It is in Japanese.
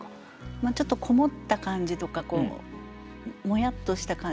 ちょっと籠もった感じとかもやっとした感じ。